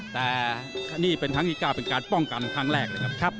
แต่นี่เป็นครั้งที่๙เป็นการป้องกันครั้งแรกเลยครับ